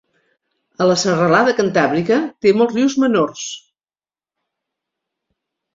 A la serralada cantàbrica té molts rius menors.